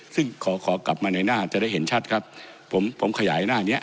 ซึ่งขอขอกลับมาในหน้าจะได้เห็นชัดครับผมผมขยายหน้าเนี้ย